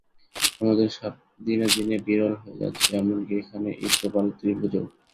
সামুদ্রিক সাপ দিনে দিনে বিরল হয়ে যাচ্ছে, এমনকি এখানে এই প্রবাল ত্রিভুজেও।